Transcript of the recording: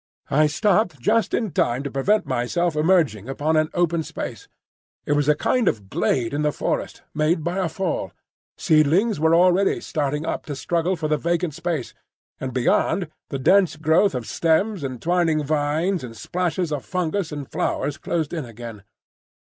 I stopped just in time to prevent myself emerging upon an open space. It was a kind of glade in the forest, made by a fall; seedlings were already starting up to struggle for the vacant space; and beyond, the dense growth of stems and twining vines and splashes of fungus and flowers closed in again.